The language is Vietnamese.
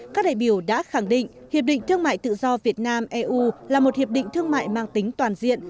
các đại biểu đã khẳng định hiệp định thương mại tự do việt nam eu là một hiệp định thương mại mang tính toàn diện